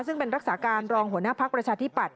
ซึ่งเป็นรักษาการรองหัวหน้าภักดิ์ประชาธิปัตย